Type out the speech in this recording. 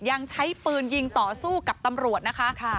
ยังใช้ปืนยิงต่อสู้กับตำรวจนะคะ